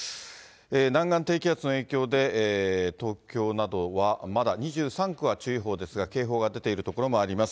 南岸低気圧の影響で、東京などはまだ２３区は注意報ですが、警報が出ている所もあります。